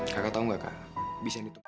kakak tau gak kak bisa ditunggu